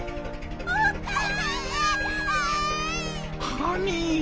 ハニー！